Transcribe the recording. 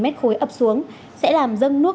mét khối ấp xuống sẽ làm dâng nước